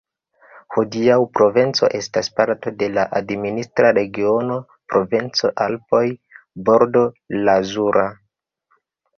Hodiaŭ Provenco estas parto de la administra regiono Provenco-Alpoj-Bordo Lazura.